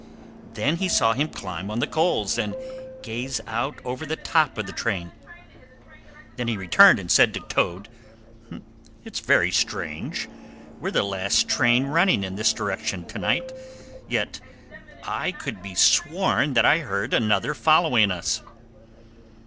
Then he saw him climb on to the coals and gaze out over the top of the train; then he returned and said to Toad: "It's very strange; we're the last train running in this direction to night, yet I could be sworn that I heard another following us!"